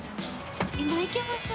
今いけます？